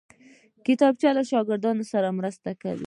کتابچه له شاګرد سره مرسته کوي